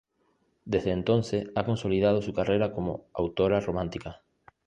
Desde entonces ha consolidado su carrera como autora romántica.